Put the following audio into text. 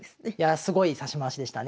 すごい指し回しでしたね。